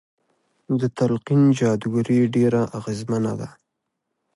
د تلقين جادوګري ډېره اغېزمنه ده.